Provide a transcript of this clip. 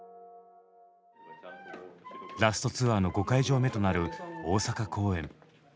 ラスト・ツアーの５会場目となる大阪公演。